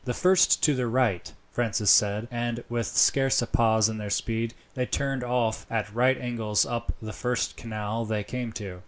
"The first to the right," Francis said, and with scarce a pause in their speed, they turned off at right angles up the first canal they came to.